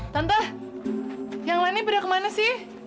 tante yang lainnya udah kemana sih